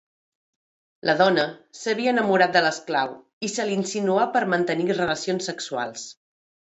La dona s'havia enamorat de l'esclau i se li insinuà per mantenir relacions sexuals.